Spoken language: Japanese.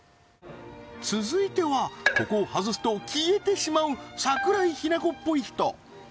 続いてはここを外すと消えてしまう桜井日奈子っぽい人